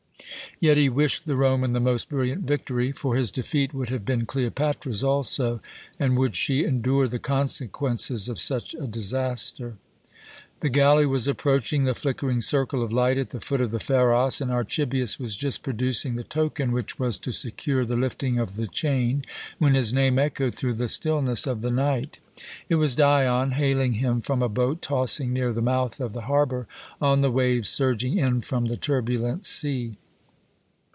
Yet he wished the Roman the most brilliant victory; for his defeat would have been Cleopatra's also, and would she endure the consequences of such a disaster? The galley was approaching the flickering circle of light at the foot of the Pharos, and Archibius was just producing the token which was to secure the lifting of the chain, when his name echoed through the stillness of the night. It was Dion hailing him from a boat tossing near the mouth of the harbour on the waves surging in from the turbulent sea.